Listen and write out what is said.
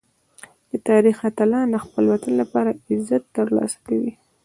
د تاریخ اتلان د خپل وطن لپاره عزت ترلاسه کوي.